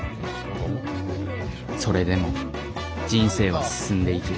それでも人生は進んでいく。